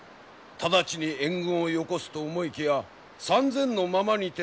直ちに援軍をよこすと思いきや３，０００のままにて何の動きも見せぬ。